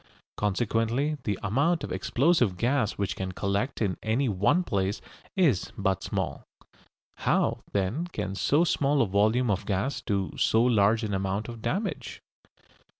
Consequently the amount of explosive gas which can collect in any one place is but small. How, then, can so small a volume of gas do so large an amount of damage?